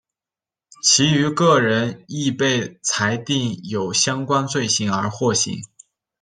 其余各人亦被裁定有相关罪行而获刑。